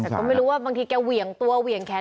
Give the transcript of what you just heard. แต่ก็ไม่รู้ว่าบางทีแกเหวี่ยงตัวเหวี่ยงแขน